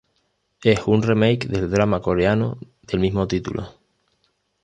Es un remake del drama coreano del mismo título.